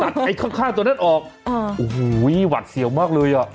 ไอ้ข้างข้างตัวนั้นออกโอ้โหหวัดเสี่ยวมากเลยอ่ะ